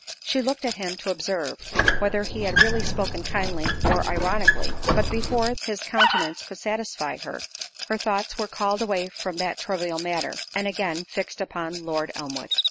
She looked at him to observe, whether he had really spoken kindly, or ironically; but before his countenance could satisfy her, her thoughts were called away from that trivial matter, and again fixed upon Lord Elmwood.